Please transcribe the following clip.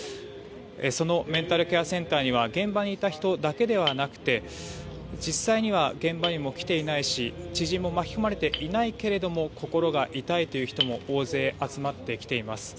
そのメンタルケアセンターには現場にいた人だけではなくて実際には現場にも来ていないし知人も巻き込まれていないけれど心が痛いという人も大勢集まってきています。